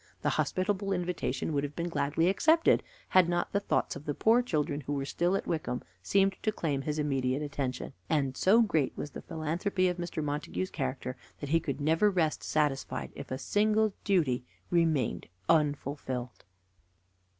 The hospitable invitation would have been gladly accepted had not the thoughts of the poor children who were still at Wycombe seemed to claim his immediate attention, and so great was the philanthropy of Mr. Montague's character that he could never rest satisfied if a single duty remained unfulfilled.